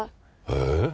えっ？